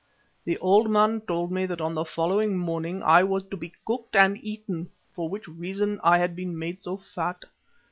"The old man told me that on the following morning I was to be cooked and eaten, for which reason I had been made so fat.